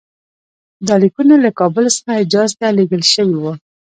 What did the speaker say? دا لیکونه له کابل څخه حجاز ته لېږل شوي وو.